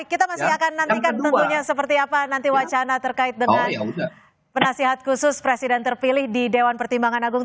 kita masih akan nantikan tentunya seperti apa nanti wacana terkait dengan penasihat khusus presiden terpilih di dewan pertimbangan agung